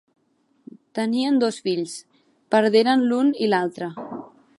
Tenien dos fills: perderen l'un i l'altre.